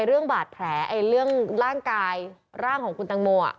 เรื่องบาดแผลเรื่องร่างกายร่างของคุณตังโม